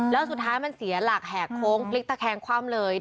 แล้วสุดท้ายมันเสียหลักแหกโค้งพลิกตะแคงคว่ำเลย